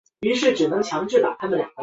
皇家广场的著名广场。